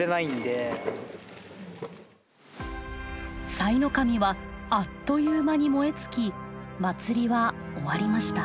さいの神はあっという間に燃え尽き祭りは終わりました。